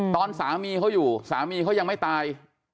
ตอนสามีเขาอยู่สามีเขายังไม่ตาย